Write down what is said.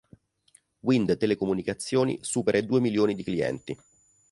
Wind Telecomunicazioni supera i due milioni di clienti.